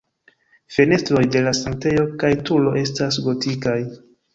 Fenestroj de la sanktejo kaj turo estas gotikaj.